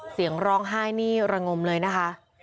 เสียงร้องไห้นี่ระงมเลยนะคะ